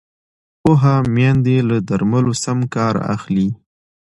پوهه میندې له درملو سم کار اخلي۔